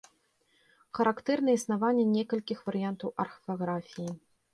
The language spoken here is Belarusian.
Характэрна існаванне некалькіх варыянтаў арфаграфіі.